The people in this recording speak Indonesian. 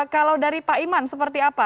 kalau dari pak iman seperti apa